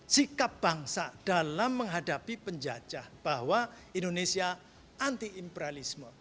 sikap bangsa dalam menghadapi penjajah bahwa indonesia anti imperalisme